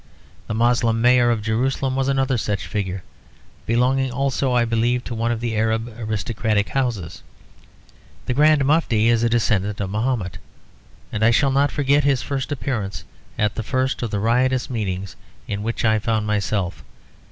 The Moslem Mayor of Jerusalem was another such figure, belonging also I believe to one of the Arab aristocratic houses (the Grand Mufti is a descendant of Mahomet) and I shall not forget his first appearance at the first of the riotous meetings in which I found myself.